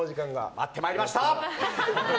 やってまいりました！